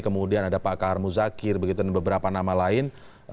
kemudian ada pak kahar muzakir begitu dan beberapa nama lain